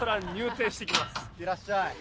いってらっしゃい。